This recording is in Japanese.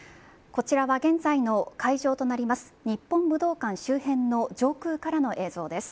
こちらは現在の会場となります日本武道館周辺の上空からの映像です。